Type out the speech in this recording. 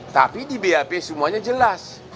tapi di bap semuanya jelas